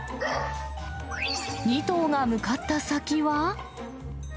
２頭が向かった先は。